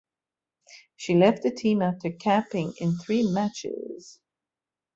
She left the team after capping in three matches.